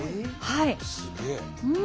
すげえ。